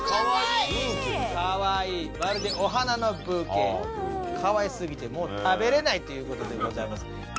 かわいいブーケみたいかわいいまるでお花のブーケかわいすぎてもう食べれないということでございます